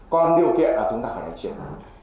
còn điều kiện là chúng ta phải đánh chuyển